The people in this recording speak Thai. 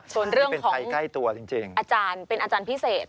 ส่วนเรื่องของอาจารย์เป็นอาจารย์พิเศษ